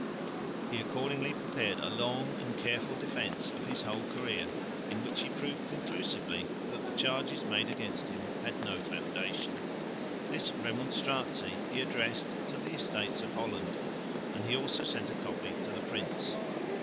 He accordingly prepared a long and careful defence of his whole career, in which he proved conclusively that the charges made against him had no foundation. This Remonstratie he addressed to the Estates of Holland, and he also sent a copy to the Prince.